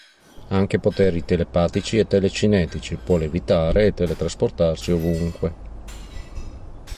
Ha anche poteri telepatici e telecinetici, può levitare e teletrasportarsi ovunque.